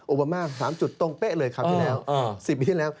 มามาก๓จุดตรงเป๊ะเลยคราวที่แล้ว๑๐ปีที่แล้ว